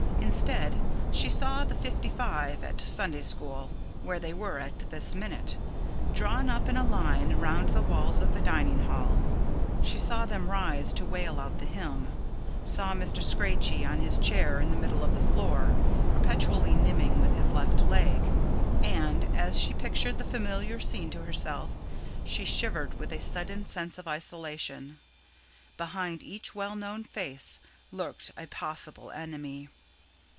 Instead, she saw the fifty five at Sunday school where they were at this minute drawn up in a line round the walls of the dining hall. She saw them rise to wail out the hymn; saw Mr. Strachey on his chair in the middle of the floor, perpetually nimming with his left leg. And, as she pictured the familiar scene to herself, she shivered with a sudden sense of isolation: behind each well known face lurked a possible enemy.